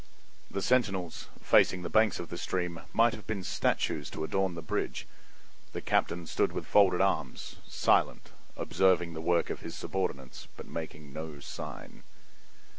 The sentinels, facing the banks of the stream, might have been statues to adorn the bridge. The captain stood with folded arms, silent, observing the work of his subordinates, but making no sign.